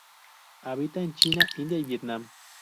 Habita en China, India y Vietnam.